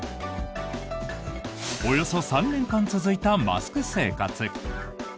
およそ３年間続いたマスク生活。